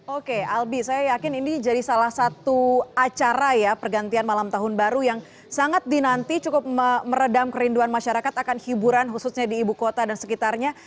oke albi saya yakin ini jadi salah satu acara ya pergantian malam tahun baru yang sangat dinanti cukup meredam kerinduan masyarakat akan hiburan khususnya di ibu kota dan sekitarnya